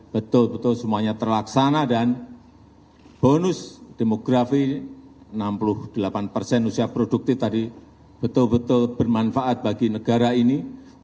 betul betul semuanya terlaksana dan bonus demografi enam puluh delapan persen usia produktif tadi betul betul bermanfaat bagi negara ini